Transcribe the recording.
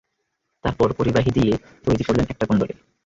তারপর পরিবাহী তার দিয়ে তৈরি করলেন একটা কুণ্ডলী।